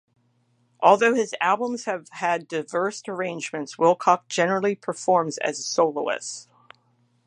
Although his albums have had diverse arrangements, Wilcox generally performs as a soloist.